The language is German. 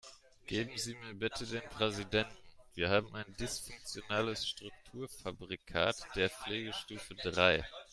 Geben Sie mir bitte den Präsidenten, wir haben ein dysfunktionales Strukturfabrikat der Pflegestufe drei.